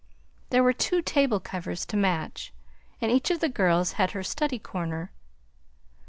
There were two table covers to match, and each of the girls had her study corner.